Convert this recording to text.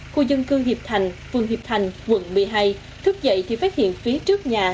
khu dân cư hiệp thành phường hiệp thành quận một mươi hai thức dậy thì phát hiện phía trước nhà